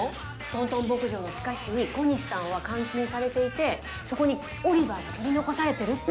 トントン牧場の地下室に小西さんは監禁されていてそこにオリバーが取り残されてるって。